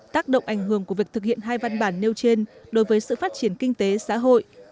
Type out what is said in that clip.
tác động ảnh hưởng của việc thực hiện hai văn bản nêu trên đối với sự phát triển kinh tế xã hội